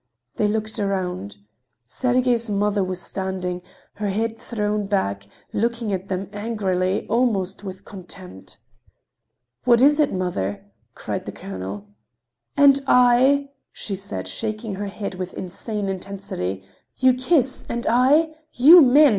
They looked around. Sergey's mother was standing, her head thrown back, looking at them angrily, almost with contempt. "What is it, mother?" cried the colonel. "And I?" she said, shaking her head with insane intensity. "You kiss—and I? You men!